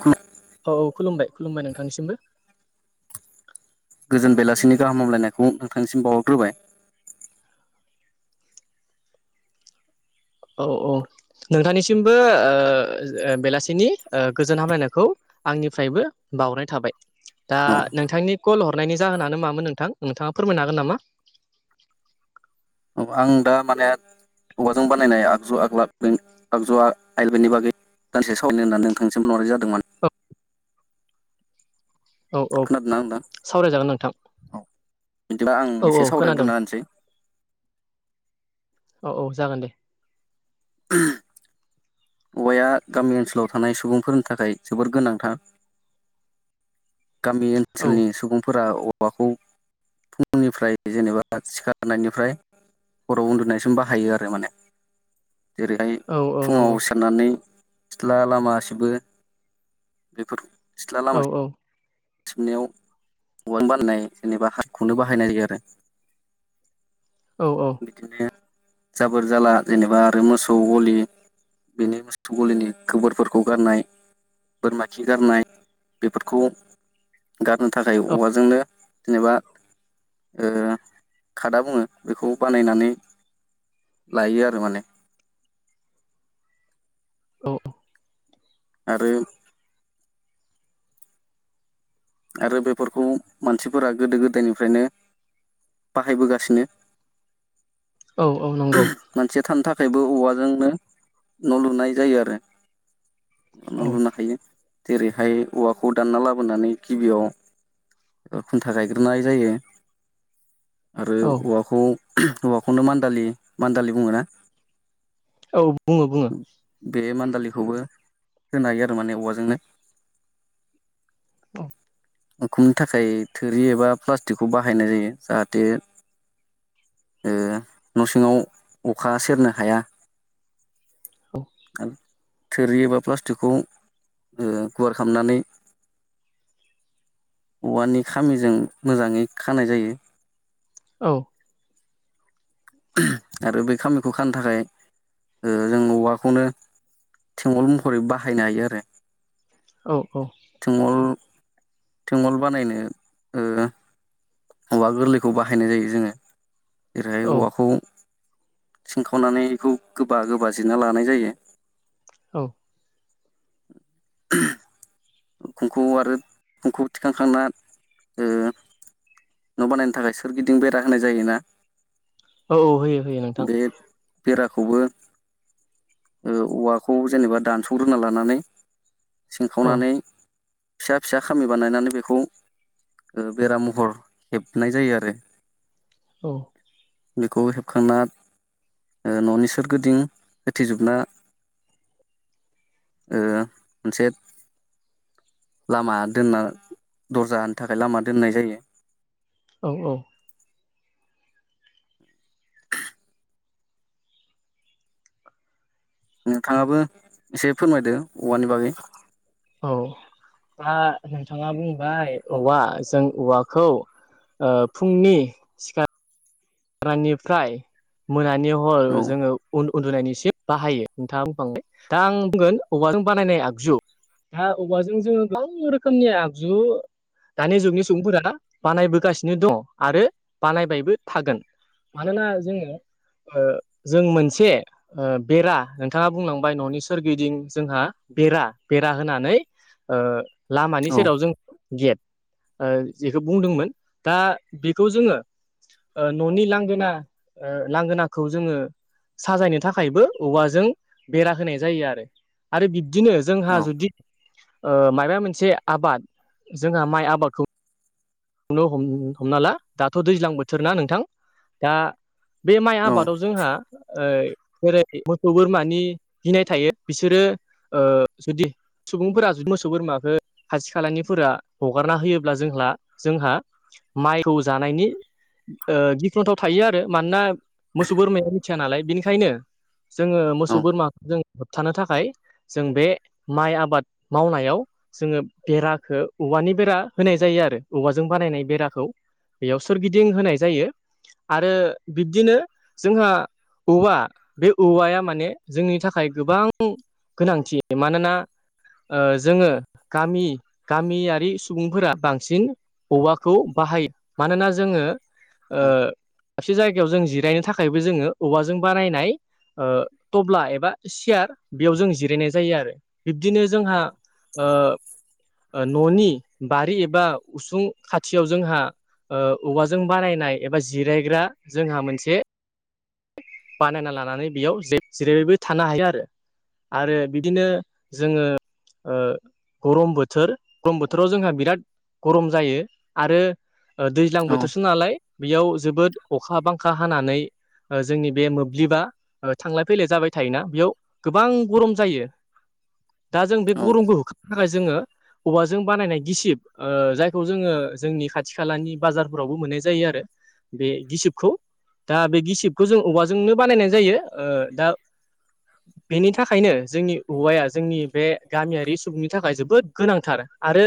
खु औ औ खुलुमबाय खुलुमबाय नोंथांनिसिमबो गोजोन बेलासिनि गाहाम हामलायनायखौ नोंथांनिसिम बावहरग्रोबाय औ औ नोंथांनिसिमबो ओ बेलासिनि ओ गोजोन हामायनायखौ आंनिफ्रायबो बावनाय थाबाय दा औ नोंथांनि कल हरनायनि जाहोनानो मामोन नोंथां नोंथाङा फोरमायनो हागोन नामा? औ आं दा माने औवाजों बानायनाय आगजु आगला आगजुआ आइलानि बागै दान्दिसे सावरायनो होननानै नोंथांसिम हरनाय जादोंमोन। औ औ औ खोनादोंना नोंथां सावरायजागोन नोंथां बिदिब्ला आं औ औ एसे खोनादों सावरायग्रोन होनोसै औ औ जागोन दे। [unintelligible] औवाया गामि ओनसोलाव थानाय सुबुंफोरनि थाखाय जोबोर गोनांथार गामि औ ओनसोलनि सुबुंफोरा औवाखौ फुंनिफ्राय जेनेबा सिखारनायनिफ्राय हराव उन्दुनायसिम बाहायो आरो माने जेरैहाय औ औ फुङाव नंगौ सि खारननानै सिथ्ला लामा सिबो बेफोर सिथ्ला लामा औ औ सिबनायाव औवानि बानायनाय जेनेबा हासिबखौनो बाहायनाय जायो आरो [inaudible] औ औ बिदिनो जाबोर जाला जेनेबा आरो मोसौ गलि बिनि मोसौ गलिनि गोबोरफोरखौ गारनाय बोरमा खि गारनाय फोरखौ गारनो थाखाय औवाजोंनो जेनेबा ओ खादा बुङो बेखौ बानायनानै लायो आरो माने औ औ आरो आरो बेफोरखौ मानसिफोरा गोदो गोदायनिफ्रायनो बाहायबोगासिनो औ औ नंगौ। मानसिया थानो थाखायबो औवाजोंनो न' लुनाय जायो आरो। औ न' लुनो हायो जेरैहाय औवाखौ दानना लाबोनानै गिबियाव खुन्था गायग्रोनाय जायो आरो औ औवा खौ औवाखौनो मान्दालि मान्दालि बुङो ना औ बुङो बुङो बे मान्दालिखौबो होनो हायो आरो माने औवाजोंनो औ उखुमनि थाखाय थोरि एबा प्लास्टिकखौ बाहायनाय जायो जाहाथे ओ न' सिङाव अखा सेरनो हाया। औ [unintelligible] थोरि एबा प्लास्टिकखौ गुवार खालामनानै औवानि खामिजों मोजाङै खानाय जायो औ आरो बे खामिखौ खानो थाखाय ओ जों औवाखौनो थेंगल महरै बाहायनो हायो आरो औ औ थेंअल थेंअल बानायनो ओ औवा गोरलैखौ बाहायनाय जायो जोङो जेरैहाय औ औवाखौ सिनखावनानै इखौ गोबा गोबा जिरना लानाय जायो औ [unintelligible] उखुमखौ आरो उखुम थिखांखांना ओ न' बानायनो थाखाय सोरगिदिं बेरा होनाय जायोना औ होयो होयो नोंथां बे बेराखौबो ओ औवाखौ जेनेबा दानसग्रोना लानानै औ सिंखावनानै फिसा फिसा खामि बानायनानै बेखौ बेरा महर हेबनाय जायो आरो औ बेखौ हेबखांना ओ न'नि सोरगिदिं होथेजोबना ओ मोनसे लामा दोनना दरजानि थाखाय लामा दोननाय जायो औ औ नोंथाङाबो एसे फोरमायदो औवानि बागै औ दा नोंथाङा बुंबाय औवा जों औवाखौ ओ फुंनि सिखा रनायनिफ्राय मोनानि हर औ जोङो उन उन्दुनायनिसिम बाहायो नोंथाङा बुंखांबाय दा आं बुंगोन औवाजों बानायनाय आगजु दा औवाजों जोङो गोबां रोखोमनि आगजु दानि जुगनि सुबुंफोरा बानायबोगासिनो दं आरो बानायबायबो थागोन मानोना जोङो जों मोनसे ओ बेरा नोंथाङा बुंलांबाय न'नि सोरगिदिं जोंहा बेरा बेरा होनानै ओ लामानि औ सेराव जों गेट ओ इखौ बुंदोंमोन दा बेखौ जोङो न'नि लांगोना ओ लांगोनाखौ जोङो साजायनो थाखायबो औवाजों बेरा होनाय जायो आरो आरो बिब्दिनो जोंहा औ जुदि ओ मायबा मोनसे आबाद जोंहा माइ आबादखौ नो हमना ला दाथ दैज्लां बोथोर ना नोंथां दा बे माइ औ आबादाव जोंहा ओ जेरै मोसौ बोरमानि गिनाय थायो बिसोरो ओ जुदि सुबुंफोरा जुदि मोसौ बोरमाखौ खाथि खालानिफोरा हगारना होयोब्ला जोंहा जोंहा माइखौ जानायनि ओ गिख्रंथाव थायो आरो मानोना मोसौ बोरमाया मिथिया नालाय बिनिखायनो जोङो मोसौ औ बोरमाखौ जों होबथानो थाखाय जों बे माइ आबाद मावनायाव जोङो बेराखौ औवानि बेरा होनाय जायो आरो औवाजों बानायनाय बेराखौ बेयाव सोरगिदिं होनाय जायो आरो बिब्दिनो जोंहा औवा बे औवाया माने जोंनि थाखाय गोबां गोनांथि मानोना ओ जोङो गामि गामियारि सुबुंफोरा बां औवाखौ बाहायो मानोना जोङो ओ औ मोनसे जायगायाव जों जिरायनो थाखायबो जोङो औवाजों बानायनाय टब्ला एबा सियार बेयाव जों जिरायनाय जायो आरो बिब्दिनो जोंहा औ न'नि बारि एबा उसुं खाथियाव जोंहा औवाजों बारानायनाय एबा जिरायग्रा जोंहा मोनसे बानायना लानानै बेयाव जेरैबो थानो हायो आरो। आरो बिदिनो जोङो गरम बोथोर गरम बोथोराव जोंहा बिराद गरम जायो आरो दैज्लां औ बोथोरसो नालाय बेयाव जोबोद अखा बांखा हानानै जोंनि बे मोब्लिबा थांलाय फैलाय जाबाय थायोना बेयाव गोबां गरम जायो। दा जों बे औ गरमखौ होखारनो थाखाय जोङो औवाजों बानायनाय गिसिब ओ जायखौ जोङो जोंनि खाथि खालानि बाजारफोरावबो मोननाय जायो आरो। बे गिसिबखौ दा बे गिसिबखौ जों औवाजोंनो बानायनाय जायो दा [inaudible] बेनि थाखायनो जोंनि औवाया जोंनि बे गामियारि सुबुंनि थाखाय जोबोद गोनांथार आरो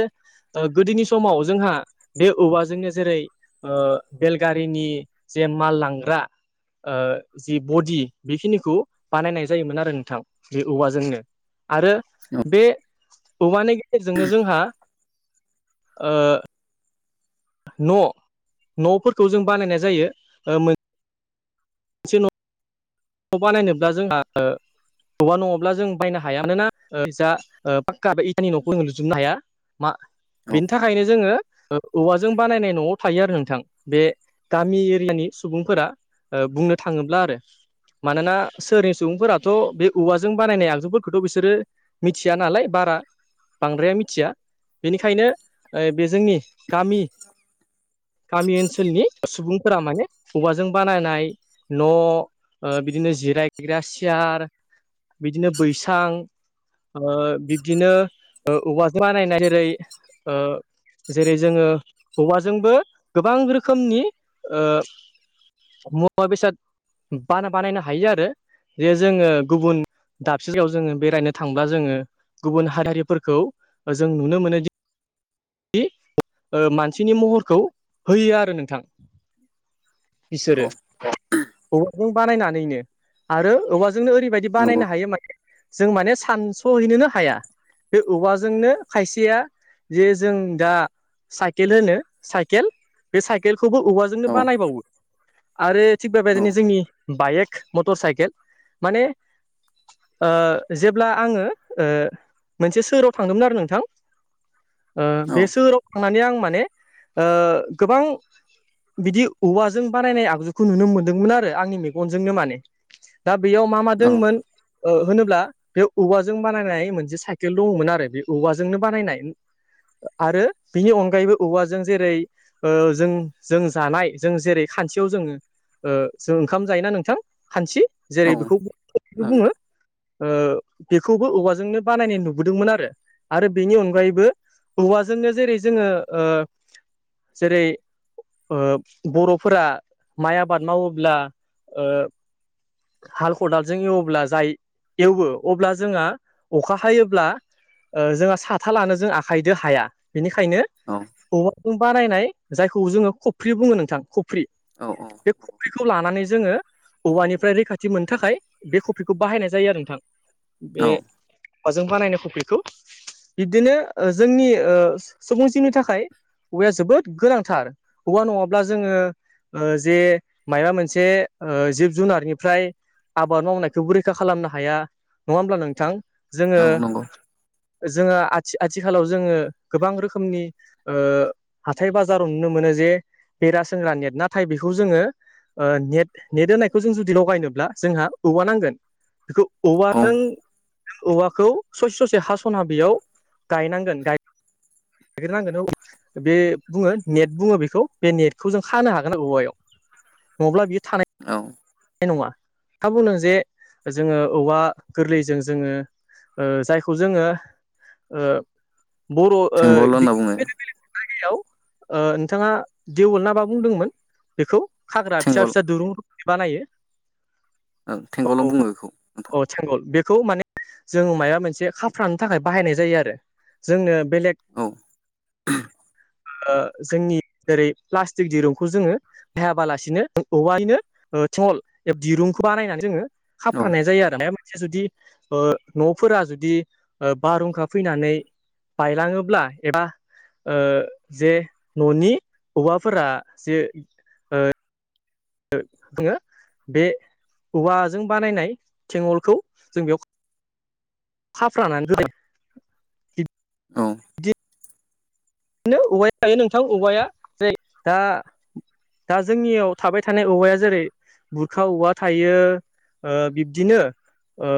ओ गोदोनि समाव जोंहा बे औवाजोंनो जेरै ओ बेलगारिनि जे माल लांग्रा ओ जि बडि बेखिनिखौ बानायनाय जायोमोन आरो नोंथां बे औवाजोंनो आरो बे औवानि गेजेरजोंनो जोंहा ओ न' न'फोरखौ जों बानायनाय जायो ओ मोन से न' न' बानायनोब्ला जोंहा औवा नङाब्ला जों बायनो हाया मानोना ओ जा पाक्का बे इटानि न'खौ जों लुजोबनो हाया। मा औ बिनि थाखायनो जोङो औवाजों बानायनाय न'आव थायो आरो नोंथां बे गामि एरियानि सुबुंफोरा बुंनो थाङोब्ला आरो। मानोना सोहोरिया सुबुंफोराथ' बे औवाजों बानायनाय आगजुफोरखौथ' बिसोरो मिथिया नालाय बारा बांद्राया मिथिया बेनिखायनो ओ बे जोंनि गामि गामि ओनसोलनि सुबुंफोरा माने औवाजों बानायनाय न' ओ बिदिनो जिरायग्रा सियार बिदिनो बैसां ओ बिब्दिनो ओ औवाजों बानायनाय जेरै जेरै जोङो औवाजोंबो गोबां रोखोमनि मुवा बेसाद बाना बानायनो हायो आरो जे जोङो गुबुन दाबसे जायगायाव जोङो बेरायनो थांब्ला जोङो गुबुन हारिारिफोरखौ जों नुनो मोनो दि मानसिनि महरखौ होयो आरो नोंथां। औ इसोरो बेजों बानायनानैनो आरो औवाजोंनो ओरैबायदि नंगौ बानायनो हायो माने जों माने सानस'हैनोनो हाया। बे औवाजोंनो खायसेया जे जों दा साइकेल होनो साइकेल बे साइकेलखौबो औवाजोंनो औ बानायबावो आरो थिग औ बेबायदिनो जोंनि बायेक मटर साइकेल माने ओ जेब्ला आङो मोनसे सोहोराव थांदोंमोन आरो नोंथां। [inaudible] ओ बे सोहोराव थांनानै आं माने गोबां बिदि औवाजों बानायनाय आगजुखौ नुनो मोनदोंमोन आरो आंनि मेगनजोंनो माने दा बेयाव मा मा औ दोङोमोन ओ होनोब्ला बे औवाजों बानायनाय मोनसे साइकेल दङमोन आरो बे औवाजोंनो बानायनाय आरो बिनि अनगायैबो औवाजों जेरै ओ जों जों जानाय जों जेरै खानसियाव जोङो ओ जों ओंखाम जायोना नोंथां खानसि जेरै ओं बेखो [unintelligible] बेखौ औ बुङो ओ बेखौबो औवाजोंनो बानायनाय नुबोदोंमोन आरो आरो बेनि अनगायैबो औवाजोंनो जेरै जोङो ओ जेरै ओ बर'फोरा माइ आबाद मावोब्ला ओ हाल खदालजों एवोब्ला जाय एवो अब्ला जोङा अखा हायोब्ला ओ जोङा साथा लानो जों आखाइजों हाया बेनिखायनो औ औवाजों बानायनाय जायखौ जोङो खफ्रि बुङो नोंथां खफ्रि औ औ बे खफ्रिखौ लानानै जों जोङो औवानिफ्राय रैखाथि मोननो थाखाय बे खफ्रिखौ बाहायनाय जायो आरो नोंथां। बे औ औवाजों बानायनाय खफ्रिखौ बिदिनो ओ जोंनि ओ सुबुं जिउनि थाखाय औवाया जोबोद गोनांथार औवा नङाब्ला जोङो ओ जे मायबा मोनसे ओ जिब जुनारनिफ्राय आबाद मावनायखौबो रैखा खालामनो हाया नङा ओमब्ला नोंथां? जोङो औ नंगौ जोङो आथि आथिखालाव जोङो गोबां रोखोमनि ओ हाथाय बाजाराव नुनो मोनो जे बेरा सोंग्रा नेट नाथाय बेखौ जोङो ओ नेट नेट होनायखौ जों जुदि लगायनोब्ला जोंहा औवा नांगोन बेखौ औ औवाजों जों औवाखौ ससे ससे हास'ना बेयाव गायनांगोन गाय ग्रोनांगोन औ बे बुङो नेट बुङो बेखौ बे नेटखौ जों खानो हागोन औवायाव। नङाब्ला बि थानाय औ नङा नोंथाङा बुंदों जे जोङो औवा गोरलैजों जोङो ओ जायखौ जोङो ओ बर' ओ थेंगल होनना बिदिनो बुङो बेलेग बेलेग जायगायाव ओ नोंथाङा देवोल ना बा बुंदोंमोन? बेखौ खाग्रा फिसा थेंगल फिसा दुरुं रख'मै बानायो। ओ औ थेंगलबो बुङो बेखौ नोंथां औ थेंगल बेखौ माने जों माया मोनसे खाफ्रानो थाखाय बाहायनाय जायो आरो। जोंनो बेलेग ओ जोंनि जेरै प्लास्टिक दिरुंखौ जोङो हायाबालासिनो औवानिनो ओ थें दिरुंखौ बानायनानै जोङो औ खाफ्रानाय जायो आरो मानबा मोनसे जुदि ओ न'फोरा जुदि ओ बारहुंखा फैनानै बायलाङोब्ला एबा ओ जे न'नि औवाफोरा जे ओ जोङो बे औवाजों बानायनाय थेंअलखौ जों बे खाफ्रानानै होबायना औ नो औवाया जायो नोंथां औवाया जेरै दा [unintelligible] दा जोंनियाव थाबाय थानाय औवाया जेरै बुरखा उवा थायो। ओ बिब्दिनो ओ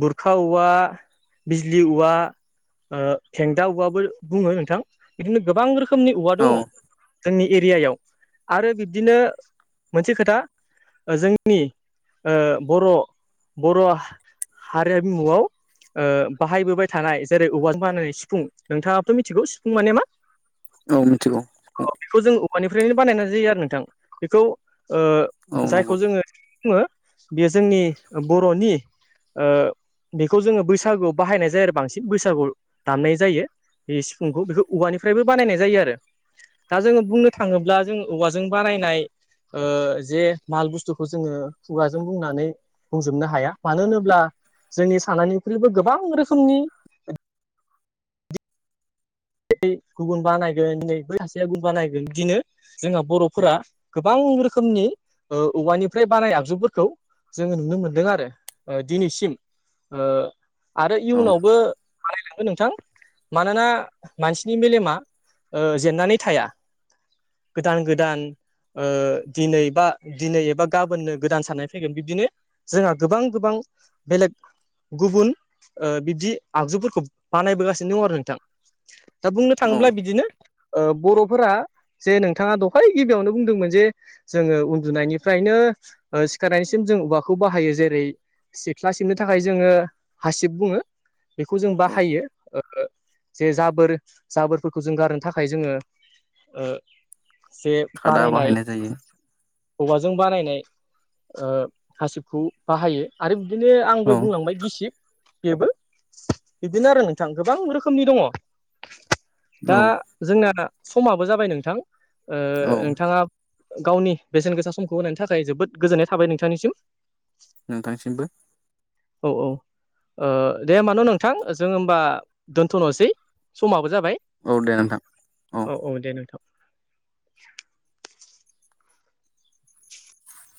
गुरखा उवा बिजलि उवा ओ थेंदा उवाबो बुङो नोंथां बिदिनो गोबां रोखोमनि उवा दङ। जोंनि एरियायाव आरो बिब्दिनो मोनसे खोथा ओ जोंनि ओ बर' बर' हारिमुआव ओ बाहायबोबाय थानाय जेरै औवाजों बानायनानै सिफुं नोंथाङाबाथ' मिथिगौ सिफुं माने मा औ मिथिखौ बेखौ जों औवानिफ्रायनो बानायना जायो आरो नोंथां बेखौ औ नंगौ जायखौ जोङो बुङो बेयो जोंनि बर'नि ओ बेखौ जोङो बैसागुआव बाहायनाय जायो आरो बांसिन बैसागुआव दामनाय जायो। बे सिफुंखौ बेखौ औवानिफ्रायबो बानायनाय जायो आरो दा जोङो बुंनो थाङोब्ला जों औवाजों बानायनाय जे माल बुस्थुखौ जोङो खुगाजों बुंनानै बुंजोबनो हाया मानो होनोब्ला ब्ला जोंनि सानायनिख्रुइबो गोबां रोखोमनि [unintelligible] गुबुन बानायगोन नै बै सासेया गुबुन बानायगोन बिदिनो जोंहा बर'फोरा गोबां रोखोमनि औवानिफ्राय बानाय आगजुफोरखौ जोङो नुनो मोनदों आरो दिनैसिम ओ आरो औ इयुनावबो बाहायलांगोन नोंथां मानोना मानसिनि मेलेमा जेननानै थाया गोदान गोदान दिनै बा दिनै एबा गाबोननो गोदान साननाय फैगोन बिब्दिनो जोंहा गोबां गोबां बेलेग गुबुन बिब्दि आगजुफोरखौ बानायबोगासिनो दं आरो नोंथां दा बुंनो औ थाङोब्ला बिदिनो बर'फोरा जे नोंथाङा दहाय गिबियावनो बुंदोंमोन जे जोङो उन्दुनायनिफ्रायनो सिखारनायनिसिम जों औवाखौ बाहायो जेरै सिख्ला सिबनो थाखाय जोङो हासिब बुङो बेखौ जों औ बाहायो जे जाबोर जाबोरफोरखौ जों गारनो थाखाय जोङो जे खादा बानायनाय बाहायनाय जायो औवाजों बानायनाय हासिबखौ बाहायो आरो बिदिनो आं औ दहाय बुंलांबाय गिसिब बेबो बिदिनो आरो नोंथां गोबां रोखोमनि दङ दा औ जोंना समाबो जाबाय नोंथां औ नोंथाङा गावनि बेसेन गोसा समखौ होनायनि थाखाय जोबोद गोजोननाय थाबाय नोंथांनिसिम नोंथांसिमबो औ-औ दे होमबान' नोंथां जों होमबा दोनथ'नोसै समाबो जाबाय औ दे नोंथां औ